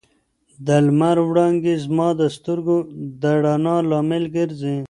د لمر وړانګې زما د سترګو د رڼا لامل ګرځي.